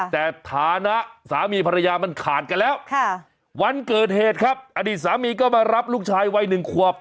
แต่ฐานะสามีภรรยามันขาดกันแล้ววันเกิดเหตุครับอดีตสามีก็มารับลูกชายวัย๑ขวบ